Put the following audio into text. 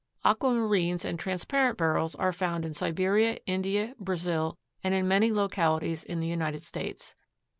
Aquamarines and transparent Beryls are found in Siberia, India, Brazil, and in many localities in the United States.